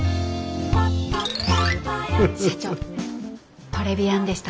社長トレビアンでした。